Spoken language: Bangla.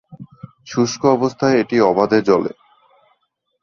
শুষ্ক অবস্থায় এটি অবাধে জ্বলে।